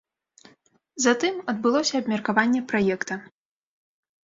Затым адбылося абмеркаванне праекта.